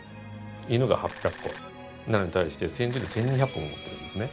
犬が８００個なのに対して線虫って１２００個も持ってるんですね。